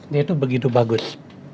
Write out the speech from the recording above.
dia itu begitu bagus